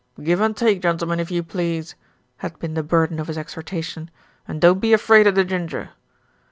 "Give and take, gentlemen, if you please," had been the burden of his exhortation, "and don't be afraid o' the ginger."